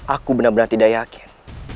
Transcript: aku benar benar tidak yakin